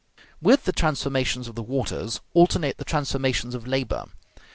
With the transformations of the waters alternate the transformations of labor.